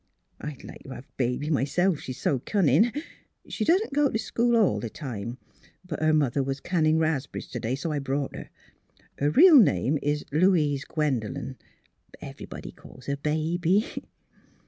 I'd like to have Baby myself, she's so cunnin'. She doesn't go to school all the time; but her mother was canning ras'b'rries to day so I brought her. Her real name is Louise Gwendolen; but every body calls her Baby."